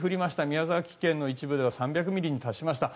宮崎県の一部では３００ミリに達しました。